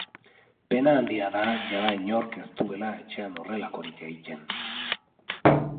Pena handia da jada inork ez duela etxean horrelakorik egiten.